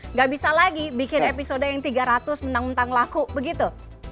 nggak bisa lagi bikin episode yang tiga ratus menang mentang laku begitu